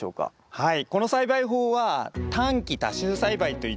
はい。